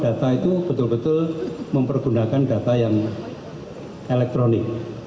data itu betul betul mempergunakan data yang elektronik